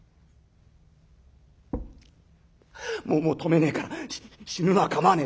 「もうもう止めねえから死ぬのはかまわねえ。